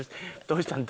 どうしたん？